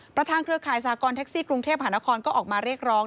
เครือข่ายสากรแท็กซี่กรุงเทพหานครก็ออกมาเรียกร้อง